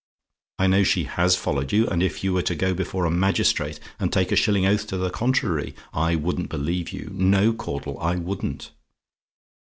I know she HAS followed you; and if you were to go before a magistrate, and take a shilling oath to the contrary, I wouldn't believe you. No, Caudle; I wouldn't.